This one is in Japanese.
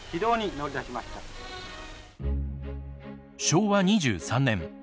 昭和２３年。